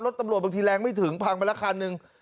รถตำรวจบางทีแรงไม่ถึงแพงไปละครั้งนึง